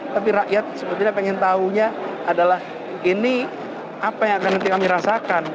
tapi rakyat sebetulnya pengen tahunya adalah ini apa yang akan nanti kami rasakan